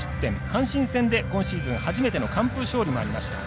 阪神戦で、今シーズン初めての完封勝利もありました。